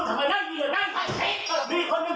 ทำแบบที่รัก